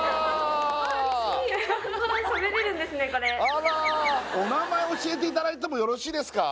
これあらお名前教えていただいてもよろしいですか？